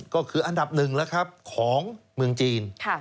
ก็คืออันดับหนึ่งของเมืองจีน